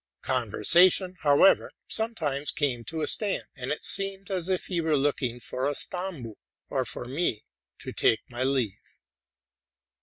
Conversation, however, sometimes came to a standstill; and it seemed as if he were looking for a Stammbuch,' or for me to take my leave.